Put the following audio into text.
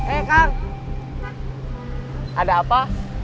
eh kang ada apa